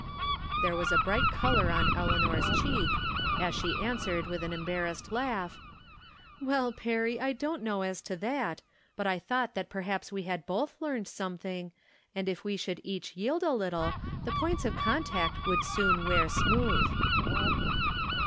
" There was a bright color on Eleanor's cheek, as she answered with an embarrassed laugh :" Well, Perry, I don't know as to that ; but I thought that perhaps we had both learned some thing, and if we should each yield a little the points of contact would soon wear smooth."